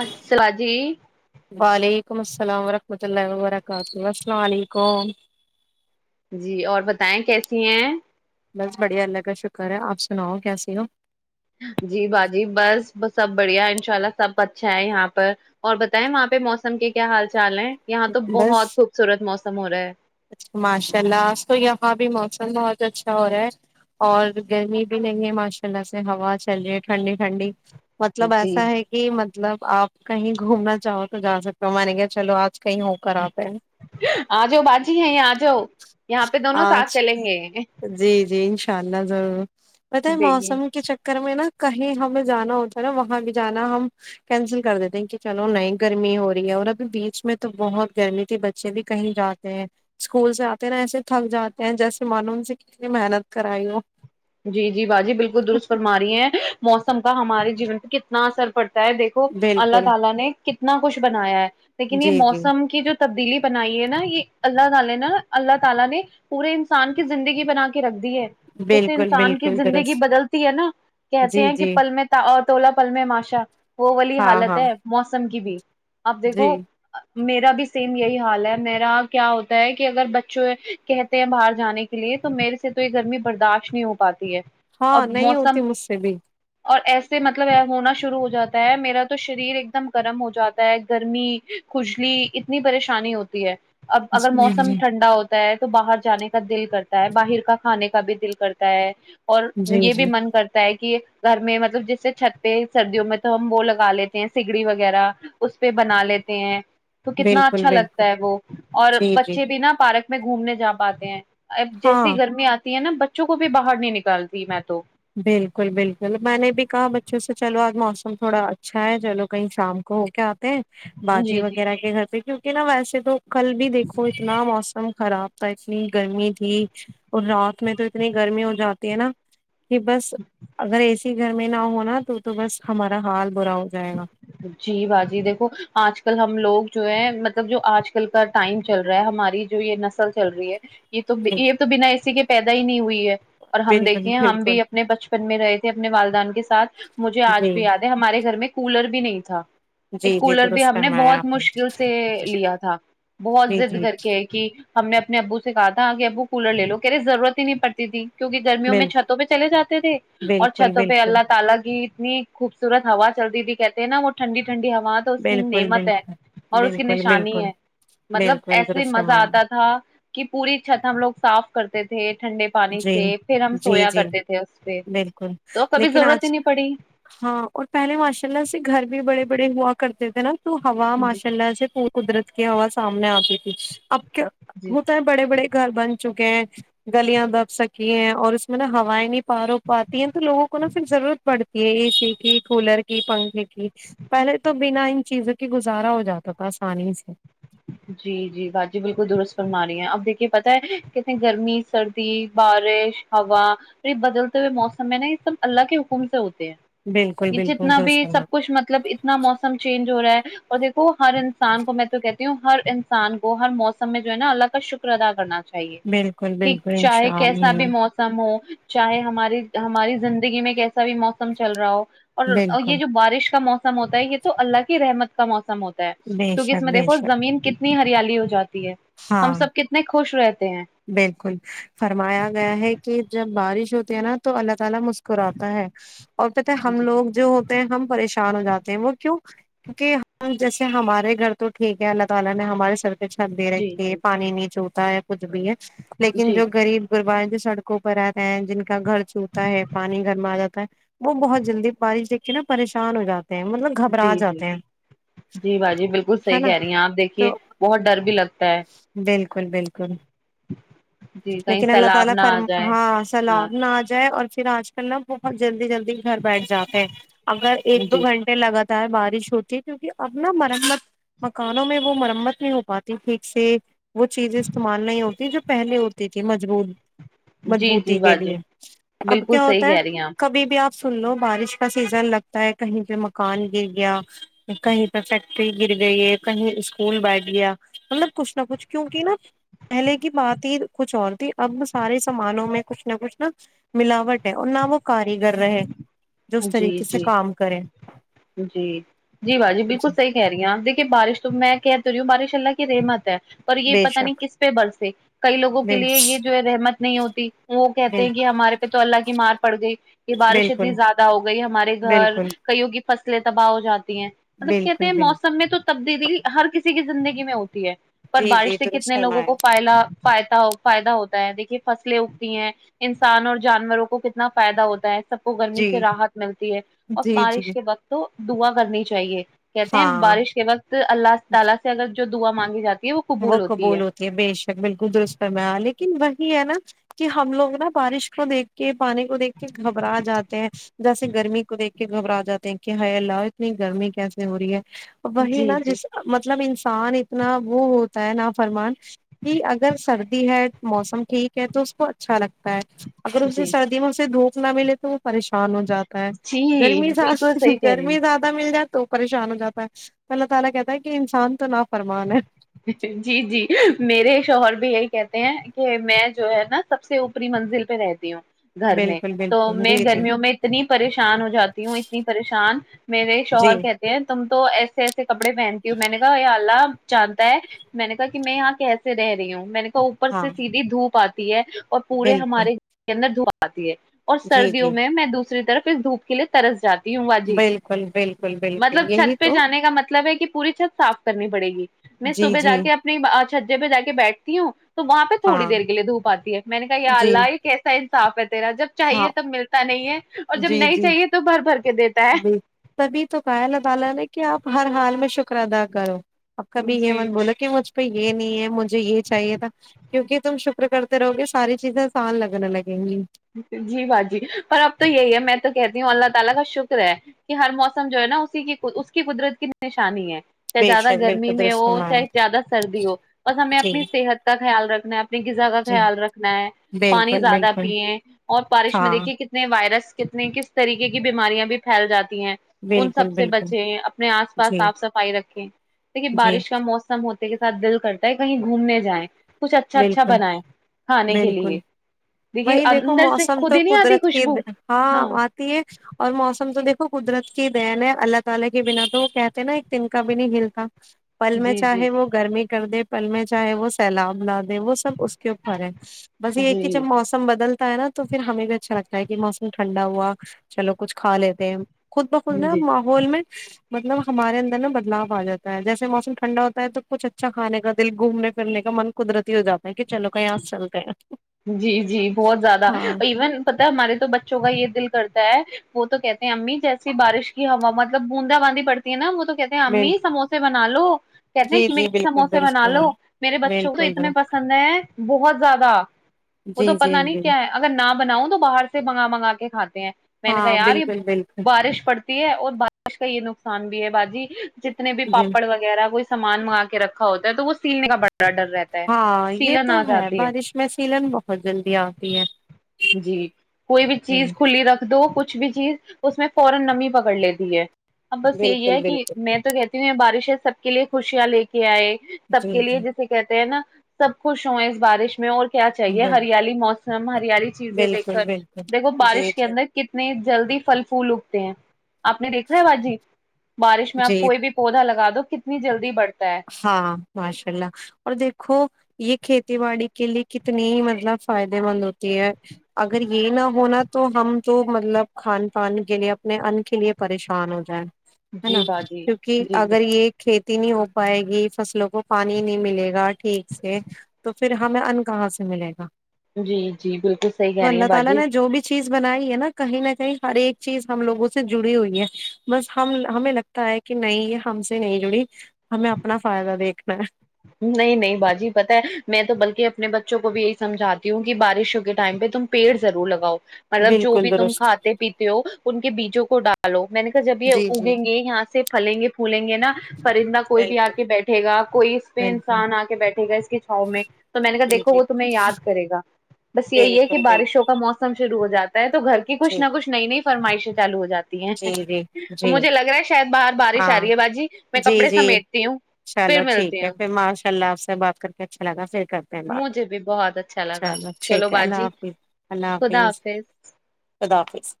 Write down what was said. اسل جی وعلیکم السلام وورحمۃ اللہ وبرکاتہ السلام علیکم جی اور بتائیں کیسی ہیں بس بڑھیا اللہ کا شکر ہے آپ سناؤ کیسی ہو جی باجی بس سب بڑھیا ان شاء اللہ سب اچھا ہے یہاں پر اور بتائیں وہاں پہ موسم کے کیا حال چال ہیں یہاں تو بس بہت خوبصورت موسم ہو رہا ہے ماشاء اللہ آج تو یہاں بھی موسم بہت اچھا ہو رہا ہے اور گرمی بھی نہیں ہے ماشاء اللہ سے ہوا چل رہی ہے ٹھنڈی ٹھنڈی مطلب جی ایسا ہے کہ مطلب آپ کہیں گھومنا چاہو تو جا سکتے ہو میں نے کہ چلو آج کہیں ہو کر آتے ہیں آ جؤ بجی ہے یہ آ جاؤ یہاں پہ دونوں آج ساتھ چلیں گے جی جی انشاء اللہ ضرور پاتا ہے دیکھیے موسم کے چکر میں نا کہیں ہمیں جانا ہوتا ہے نا وہاں بھی جانا ہم کینسل کر دیتے ہیں کہ چلو نئی گرمی ہو رہی ہے اور ابھی بیچ میں تو بہت گرمی تھی بچ ے بھی کہیں جاتے ہیں اسکول سے آ ایسے تھک جاتے ہیں جیسے مان ان سے کتنے محنت کرائی ہو جی جی باجی بالکل درست فرماری ہیں موسم کا ہمارے جیون پہ کتنا اثر پڑتا ہے دیکھو اللہ بالکل تلا نے کتنا کچھ بنایا ہے لیکن یہ جی جی موسم کی جو تبدیلی بنائی ہے نا یہ اللہ تعالی نے اللہ تعالی نے پورے انسان کی زندگی بنا کے رکھتی ہے جیسے بالکل انسان کی بالکل زندگی درست بدلتی ہے نا کہتے جی ہیں کہ جی پل میں تولہ پل میں ماشا وہ والی ہاں حالت ہاں ہے موسم کی بھی آپ دیکھو جی میرا بھی سیم یہی حال ہے میرا کیا ہوتا ہے کہ اگر بچوں کہتے ہیں باہر جانے کے لیے تو میرے سے تو یہ گرمی برداشت نہیں ہوتی پاتی ہے ہاں اب نہیں موسم ہوتی مجھ سے بھی اور ایسے مطلب ہونا شروع ہو جاتا ہے میرا تو شریر ایک دم گرم ہو جاتا ہے گرمی کجلی اتنی پریشانی ہوتی ہے اب اگر جی موسم جی ٹھنڈا ہوتا ہے تو باہر جانے کا دل کرتا ہے باہر کا کھانے کا بھی دل کرتا تا ہے اور جی یہ بھی جی من کرتا ہے کہ گھر میں مطلب جیسے چھت پہ سردیوں میں تو ہم وہ لگا لیتے ہیں سگڑی وغیرہ اس پہ بنا لیتے ہیں تو کتنا بالکل اچھا بالکل لگتا ہے وہ اور جی جی بچے بھی نا پارک میں گھومنے جا پاتے ہیں ہاں جیسی گرمی آتی تی ہے نا بچوں کو بھی باہر نہیں نکالتی میں تو بالکل بالکل میں نے بھی کہا بچوں سے چلو آج موسم تھوڑا اچھا ہے چلو کہیں شام کوہو ک آتے ہیں باجی جی جی وغیرہ کے گھر پہ کی کیو ک نا ویسے تو کل بھی دیکھو اتنا موسم خراب تھا اتنی گرمی تھی اور رات میں تو اتنی گرمی ہو جاتی ہے نا کہ بس اگر اے س گھر میں نہ ہوناا تو تو بس ہمارا حال برا ہو جائے گا جی باجی دیکھو آج کل ہم لوگ جو ہے مطلب جو آج کل کا ٹائم چل رہا ہے ہماری جو یہ نسل چل رہی ہے یہ تو جی یہ تو بنا اسی کے پیدا ہی نہیں ہوئی ہے اور ہم بالکل دیکھیںے ہم بالکل بھی اپنے بچپن میں رہے تھے اپنے والدہ کے ساتھ مجھے آج جی بھی یاد ہمارے گھر میں کولر بھی نہیں تھا ایک جی جی کولر بھی درست ہم نے فرمایا بہت آپ نے مشکل سے لیا تھا بہت جی زضد جی کر کے ایک کہی ہم نے اپنے ابو سے کہا تھا کہ ابو کولر لے لو کہے ضرورت ہی نہیں پڑتی تھی کیونکہ گرمیوں میں بال چھتوں پہ چلے جاتے تھے اور بالکل چھتوں پہ بالکل اللہ تعالا کی اتنی خوبصورت ہوا چلتی ت کہتے ہیں نا وہ ٹنڈی ٹھنڈی ہوا تو اس کی بالکل نعمت ہے بالکل اور اس کی بالکل نشانی بالکل ہے مطلب بالکل ایسے ہی درست مزہ فرمایا آتا تھا کی پوری چھت ہم لوگ صاف کرتے تھے ٹھنڈے پانی جی سے پھر ہم جی سویا جی کرتے تھے اس پہ بالکل تو کبھی لیکن ضرورت ہی آج نہیں پڑی ہاں اور پہلے ماشاء اللہ سے گھر بھی بڑے بڑے ہوا کرتے تھے نا تو ہوا جی ماشاء اللہ سے پ قدرت کی ہوا سامنے آتی تھی اب کیا جی ہوتا ہے بڑے بڑے گھر بن چکے ہیں گلیاں دب سکی ہے اور اس میں نا ہوائیں نہیں پار ہو پاتی ہیں تو لوگوں کو نا پھر ضرورت پڑتی یہ ا سی کی کولر کی پنکھے کی پہلے تو بنا ان چیزوں کے گزارا ہو جاتا تھا آسانی سے جی جی با جی بالکل درست فر ما رہی ہیں آ پ دیکھیے پتہ ہے کتنے گرمی سردی بارش ہوا بدلتے ہوئے موسم میں نا یہ سب اللہ کے حکم سے ہوتے ہیں بالکل یہ بالکل جتنا درست بھی فرما سب کچھ مطلب اتنا موسم چینج ہو رہا ہے اور دیکھو ہر انسان کو میں تو کہ ہر انسان کو ہر موسم میں جو ہے نا اللہ کا شکر ادا کرنا چاہیے بالکل کہ بالکل چاہے انشاء کیسا بھی اللہ مو سم ہو چاہے ہماری ہماری زندگی میں کیسا بھی موسم چل رہا ہو اور یہ بالکل جو بارش کا موسم ہوتا ہے یہ تو اللہ کی رحمت کا موسم ہوتا ہے بے کیونکہ اس شک میں دیکھ بے شک زین کتنی ہریالی ہو جاتی ہے ہم ہاں سب کتنے خوش رہتے ہیں بالکل فرمایا گیا ہے کہ جب بارش ہوتی ہے نا تو اللہ تعالی مس کراتا ہے اور پتہ ہے ہم جی لوگ جو ہوتے ہیں ہم پریشان ہو جاتے ہیں وہ کیوں کہ ہم جیسے ہمارے گھر تو ٹھیک ہے اللہ تعالی نے ہمارے سر چھت دے جی رکھی ہے جی پانی نیچے ہو تا ہے کچھ بھی ہے لیکن جی جو غریب گربا ہے جو سڑک کو پر آتا ہے جن کا گھر چھوٹا ہے پانی گھر میں آ جاتا ہے وہ بہت جلدی بارش دیکھ کے نا پریشان ہو جاتے ہیں مطلب جی گھبرا جی جاتے ہیں جی باجی بالکل ہے صحیح نا کہہ رہی ہیں آپ دیکھیے تو بہت ڈر بھی لگتا ہے بالکل بالکل جی کہیں لیکن اللہ سیلاب تعالی نہ آ فرم جائے ہاں ہاں سلام نہ آ جائے اور پھر آج کل نا بہت جلدی جلدی گھر بیٹھ جاتے ہیں اگر ایک دو جی گھنٹے لگاتار بارش ہوتی ہے کیونکہ اب نہ مرمت مکانوں میں وہ مرمت نہیں ہو پاتی ٹھیک سے وہ چیزیں استعمال نہیں ہوتی یہ جو پہلے ہوتیے تھے مجبوط جی مضبوطی جی کے باجی لیے اب بالکل کیا صحیح ہوتا ہے کہہ رہی ہیں آپ کبھی بھی آپ سن لو بارش کا سیزن لگتا ہے کہیں پہ مکان گر گیا کہیں پہ فیکٹری گر گئی کہیں اسکول بیٹھ گیا مطلب کچھ نہ کچھ کیونکہ نا پہلے کی بات ہی کچھ اور تھی اب سارے سامانوں میں کچھ نہ کچھ نا ملاوٹ ہے اور نہ وہ کاریگر رہے جو اس جی طریقے سے جی کام کریں جی جی با جی بالکل صحیح کہہ رہی آپ دیکھیے بارش تو میں کہ تو رہی ہوں بارش اللہ کی رحمت ہے پر یہ بے پتہ نہیں شک کس پہ برسے کئی لوگوں کے بال لیے یہ جو ہے رحمت نہیں ہوتی وہ کہتے بال ہیں کہ ہمارے پہ تو اللہ کی مار پڑ گئی یہ بارش بالکل اتنی زیاد دہ ہو گئی ہمارے گھر بالکل کئیوں کی فصلیں تباہ ہو جاتی ہیں مطلب کہتے بالکل ہیں بالکل موسم میں تو تبدیلی ہر کسی کی زندگی میں ہوتی ہے پر جی بارش جی سے درست کتنے لوگوں فرمایا کو پائلا فائد فائدہ ہوتا ہے دیکھیں فصلیں اگتی ہیں انسان اور جانوروں کو کتنا فائدہ ہوتا ہے سب کو گرمی جی سے راحت ملتی ہے اور جی جی بارش کے وقت تو دعا کرنی چاہیے کہتے ہیں ہاں بارش کے وقت اللہ تعالی سے اگر جو دعا مانگی جاتی ہے وہ وہ قبول ہوتی ہے بے شک بالکل درست فرمایا لیکن وہی ہے نا کہ ہم لوگ نا بارش کو دیکھ کے پانی کو دیکھ کے گھبرا جاتے ہیں جیسے گرمی کو دیکھ کے گھبرا جاتے ہیں کہ ہائے اللہ اتنی گرمی کیسے ہو رہی ہے وہی جی نا جی جس مطلب انسان اتنا وہ ہوتا ہے نا فرمان کہ اگر سردی ہے موسم ٹھیک ہے تو اس کو اچھا لگتا ہے اگر اسے جی سردی میں اسے دھوپ نہ ملے تو وہ پریشان ہو جاتا ہے جی گرمی بالکل زیاد صحیح کہہ رہی ہیں گرمی زیاد دہ مل جائے تو پریشان ہو جاتا ہے تو اللہ تعالی کہتا ہے کہ انسان تو نا فرمان ہے جی جی میرے شوہر بھی یہی کہتے ہیں کہ میں جو ہے نا سب سے اوپری منزل پہ رہتی ہوں گھر میں بالکل تو بالکل میں جی جی گرمیوں میں اتنی پریشان ہو جاتی ہوں اتنی پریشان میرے جی شوہر کہتے ہیں تم تو ایسے ایسے کپڑے پہنتی ہو میں نے کہا یا اللہ جانتا ہے میں نے کہا کہ میں یہاں کیسے رہ رہی ہوں میں نے کہا اوپر ہاں سے سیدھی دھوپ آتی ہے اور پورے بالکل ہمارے گھر کے اندر دھوپ آتی ہے اور جی سردیوں جی میں میں دوسری طرف اس دھوپ لیے ترس جاتی ہوں بالکل بالکل بالکل مطلب یہی چھت پہ تو جانے کا مطلب ہے کہ پوری چھت صاف کرنی پڑے گی میں جی صبح جا جی کے اپنی چھجے پہ جا کے بیٹھتی ہوں تو وہاں پہ تھوڑی ہاں دیر کے لیے دھوپ آتی ہے میں نے کہ یہ جی اللہ کیسا انصاف ہے تیرا جب ہاں چاہیے تب ملتا نہیں ہے اور جب جی نہیں جی چاہیے تو بھر بھر کے دیتا ہے ب تبھی تو کہا اللہ تعال نے کہ آپ ہر حال میں شکر ادا کرو آپ کبھی یہ جی مت بولے کہ مجھ پہ یہ نہیں ہے مجھے یہ چاہیے تھا کیونکہ تم شکر کرتے رہو گے ساری چیزیں آسان لگنے لگیں گی جی باجی پر اب تو یہی ہے میں تو کہتی ہوں اللہ تعالی کا شکر ہے کہ ہر موسم جو ہے نا اسی کی اس کی قدرت کی نشانی ہے چاہے بے زیادہ شک گرمی بالکل میں درست ہو فرمایا چاہے زیادہ سردی ہو بس ہمیں اپنی جی صحت کا خیال رکھنا ہے اپنی غذا کا جی خیال رکھنا ہے پانی بالکل زیادہ بالکل پیے اور بارش میں ہاں دیکھیے کتنے وائرس کتنے کس طریقے کی بیماریاں بھی پھیل جاتی ہیں ان سب بالکل سے بالکل بچیں اپنے آس پاس جی صاف صفائی رکھیں دیکھیے جی بارش کا موسم م ہوتے کے ساتھ دل کرتا ہے کہیں گھومنے جائیں کچھ اچھا اچھا بالکل بنائے کھانے کے بالکل لیے دیکھیے وہی دیکھو اندر سے موسم تو خود ہی نہیں آتی قدرت کی خوشبو د- ہاں [unintelligible] اور موسم تو دیکھو قدرت کی دین ہے اللہ تعالی کے بنا تو کہتے ہیں نا ایک تین کا بھی نہیں ہل تھا پل میں جی جی چاہے وہ گرمی کر دے پل میں چاہے وہ سیلاب لا دے وہ سب اس کے اوپر ہے بس یہ جی کہ جب موسم موسم بدلتا ہے نا تو پھر ہمیں بھی اچھا لگتا ہے کہ موسم ٹھنڈا ہوا چلو کچھ کھا لیتے ہیں خود بخود نا جی ماحول میں مطلب ہمارے اندر نا بدلاؤ آ جاتا ہے جیسے موسم ٹھنڈا ہوتا ہے تو کچھ اچھا کھے کا دل گھومنے پھرنے کا من قدرتی ہو جاتے ہیں کہ چلو کہیں یہ سے چلتے ہیں جی جی بہت زیادہ ہاں ایون پت ہمارے تو بچوں کا یہ دل کرتا ہے وہ تو کہتے ہیں امی جیسی بارش کی ہوا مطلب بوندا باندی پڑتی ہے نا وہ تو کہتے ہیں مین امی سموسے بنا لو کہتے ہیں جی کہ میں جی بالکل سموسے درست بنا فرمایا لو میرے بچوں کو تو بالکل اتنے درست پسند ہیں بہت زیادہ وہ جی تو جی پتا نہیں جی کیا ہے اگر نہ بناؤں تو باہر سے منگا منگا کے کھاتے ہیں میں نے کہا ہاں یار یہ بالکل بالکل بارش پڑتی ہے اور بارش کا یہ نقصان بھی ہے باجی جتنے بھی جی پاپڑ وغیرہ وہ سامان منگا کے رکھا ہوتا ہے تو وہ سیلنے کا بڑا ڈر رہتا ہے ہاں یہ سیلن تو آ ہے جاتی بارش میں سیلن بہت جلدی آتی ہے جی کوئی بھی جی چیز کھلی رکھ دو کچھ بھی چیز اس میں فورا نمی پکڑ لیتی ہے اب بس یہی بالکل ہے کہ بالکل میں تو کہتی ہوں یہ بارش ہے سب کے لیے خوشیاں لے کے آئے سب جی کے لیے جی جسے کہتے ہیں نا سب خوش ہوں اس بارش میں اور کیا چاہیے بال ہریالی موسم ہریالی چیزیں دیکھ بالکل کر دیکھوں بالکل جی بارش کے جی اندر کتنے جلدی پھل پھول اگتے ہیں آپ نے دیکھا ہے باجی بارش میں آپ جی کوئی بھی پودا لگا دو کتنی جلدی بڑتا ہے ہاں ماشاء اللہ اور دیکھو یہ کھیتی باڑی کے لیے کتنی مطلب فائدے مند ہوتی ہے اگر یہ نہ ہونا تو تو ہم تو مطلب کھان پان کے لیے اپنے ان کے لیے پریشان ہو جائےیں ہے جی نا باجی کیونکہ جی اگر یہ کھیتی نہیں ہو پائے گی فصلوں کو پانی نہیں ملے گا ٹھیک سے تو پھر ہمیں ان کہاں سے ملے گا جی جی بالکل صحیح تو کہہ رہی اللہ ہیں تعالی باجی نے جو بھی چیز بنائی ہے نا کہیں نہ کہیں ہر ایک چیز ہم لوگوں سے جڑی ہوئی ہے بس ہم ہمیں لگتا ہے کہ کہ نہیں یہ ہم سے نہیں جڑی ہمیں اپنا فائدہ دیکھنا ہے نہیں نہیں باجی پتہ ہے میں تو بلکہ اپنے بچوں کو بھی یہی سمجھاتی ہوں کہ بارشوں کے ٹائم پہ تم پیڑ ضرور لگاؤ مطلب جو بالکل بھی تم درست کھاتے پیتے ہو ان کے بیجوں کو ڈالو میں نے کہا جب یہ جی جی اگیں گے یہاں سے پھلیں گے پھولیں گے نا پرندہ کوئی بھی آ بالکل کے بیٹھے گا کوئی پ بالکل انسان آ کے بیٹھے گا اس کی چھاؤ میں تو میں نے کہا جی دھو جی وہ تمہیں یاد کرے گا بس یہی ہے کہ بالکل بالکل بارشوں کا موسم شروع ہو جاتا ہے تو گھر کی کچھ جی نہ کچھ نئی نئی فرمائشیں چالو ہو جاتی ہیں جی جی جی مجھے لگ رہا ہے شاید باہر بارش آ ہاں رہی ہے باجی میں جی کپڑے جی سمیٹتی ہوں پھر چلو ٹھیک ملتی ہے ہوں پھر ماشاء اللہ آپ سے بات کر کے اچھا لگا پھر کب مجھے بھی بہت اچھا لگا چلو ٹھیک ہے اللہ باجی حافظ اللہ حافظ خدافظ